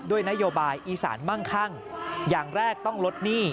ด้วยนโยบายอีสานมั่งคั่งอย่างแรกต้องลดหนี้